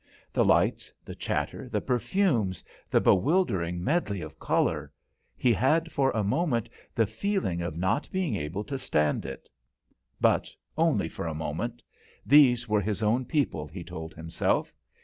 The lights, the chatter, the perfumes, the bewildering medley of colour he had, for a moment, the feeling of not being able to stand it. But only for a moment; these were his own people, he told himself.